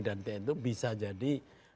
dan tni itu bisa jadi